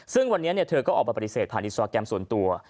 ซึ่งวันนี้เธอก็ออกมาปฏิเสธผ่านอินสตราแกรมส่วนตัว